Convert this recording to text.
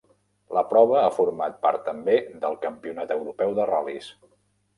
La prova ha format part també del campionat europeu de ral·lis.